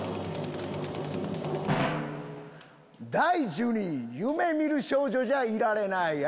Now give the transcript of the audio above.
第１２位『夢見る少女じゃいられない』。